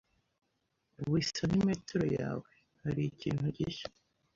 Buri santimetero yawe, hari ikintu gishya